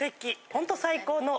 ホント最高の。